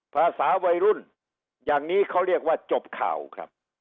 ภาษาวัยรุ่นอย่างนี้เขาเรียกว่าจบข่าวครับ